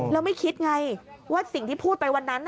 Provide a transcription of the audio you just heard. แล้วไม่คิดไงว่าสิ่งที่พูดไปวันนั้น